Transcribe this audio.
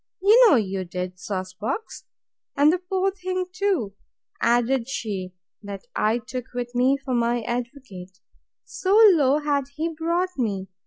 You know you did, sauce box. And the poor thing too, added she, that I took with me for my advocate, so low had he brought me!